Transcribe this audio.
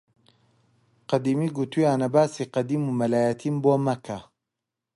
قەدیمی گوتوویانە باسی قەدیم و مەلایەتیم بۆ مەکە!